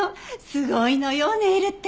すごいのよネイルって。